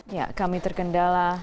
ya kami terkendala